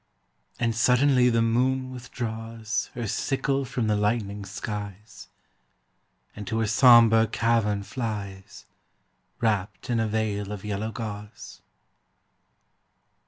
And suddenly the moon withdraws Her sickle from the lightening skies, And to her sombre cavern flies, Wrapped in a veil of yellow gauze.